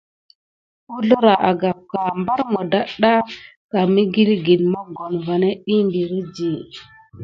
Ǝzǝra agapka, mbar mudatɗa mǝgilgǝn mogon va ɗih mbiriɗi.